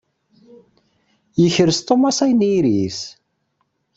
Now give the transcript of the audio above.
Yekres Thomas anyir-is.